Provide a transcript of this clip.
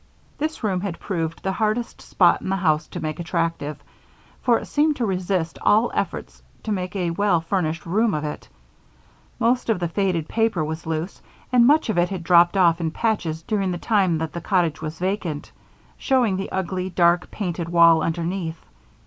This room had proved the hardest spot in the house to make attractive, for it seemed to resist all efforts to make a well furnished room of it. Most of the faded paper was loose and much of it had dropped off in patches during the time that the cottage was vacant, showing the ugly, dark, painted wall underneath.